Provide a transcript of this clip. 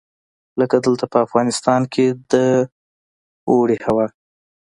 لکه دلته په افغانستان کې د اوړي هوا.